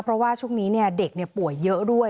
เพราะว่าช่วงนี้เด็กป่วยเยอะด้วย